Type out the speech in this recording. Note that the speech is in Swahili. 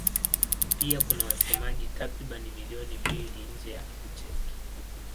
Pia kuna wasemaji takriban milioni mbili nje ya Ucheki.